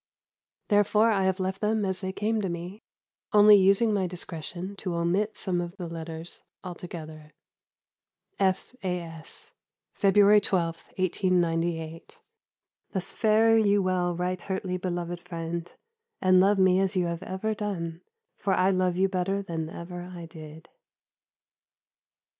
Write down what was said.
Therefore I have left them as they came to me, only using my discretion to omit some of the letters altogether. F. A. S. February 12, 1898. "_Thus fare you well right hertely beloved frende ... and love me as you have ever done, for I love you better than ever I dyd.